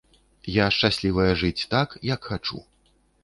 Я шчаслівая жыць так, як хачу.